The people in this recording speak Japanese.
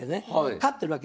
勝ってるわけ。